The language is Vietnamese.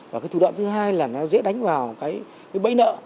và cái thủ đoạn thứ hai là nó dễ đánh vào cái bẫy nợ